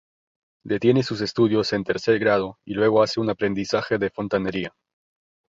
Detiene sus estudios en tercer grado y luego hace un aprendizaje de fontanería.